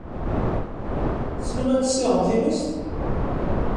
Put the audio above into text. Tessnem ad tessiɣem times?